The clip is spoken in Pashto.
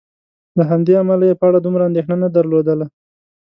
له همدې امله یې په اړه دومره اندېښنه نه درلودله.